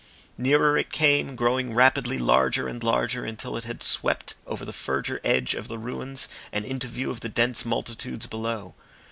Nearer it came, growing rapidly larger and larger, until it had swept over the further edge of the ruins and into view of the dense multitudes below.